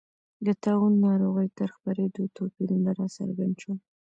د طاعون ناروغۍ تر خپرېدو توپیرونه راڅرګند شول.